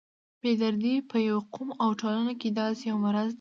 بې دردي په یو قوم او ټولنه کې داسې یو مرض دی.